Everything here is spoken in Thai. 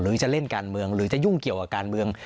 หรือจะเล่นการเมืองหรือจะยุ่งเกี่ยวกับการเมือง